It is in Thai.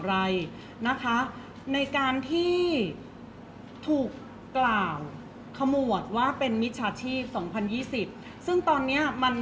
เพราะว่าสิ่งเหล่านี้มันเป็นสิ่งที่ไม่มีพยาน